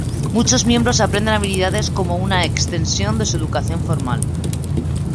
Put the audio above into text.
Muchos miembros aprenden habilidades como una extensión de su educación formal.